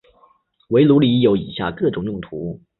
围炉里有以下各种用途。